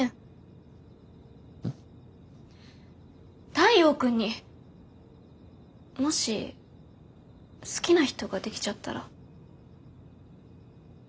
太陽君にもし好きな人ができちゃったら。